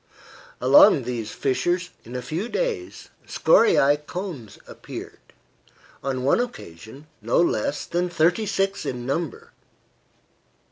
Along these fissures, in a few days, scoriae cones appeared; on one occasion no less than thirty six in number.